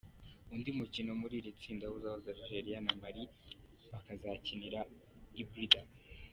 Undi mukino muri iri tsinda uzahuza Algeria na Mali bakazakinira i Blida.